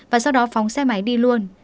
và sau đó phóng xe máy đi luôn